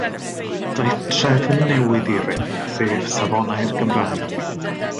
Daeth trefn newydd i rym, sef Safonau'r Gymraeg.